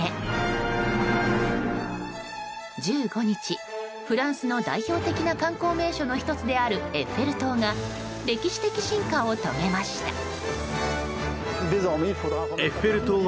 １５日、フランスの代表的な観光名所の１つであるエッフェル塔が歴史的進化を遂げました。